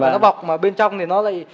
nó bọc mà bên trong thì nó lại